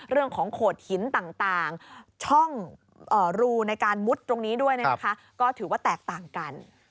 เรื่องของโขดหินต่างช่องรูในการมุดตรงนี้ด้วยก็ถือว่าแตกต่างกัน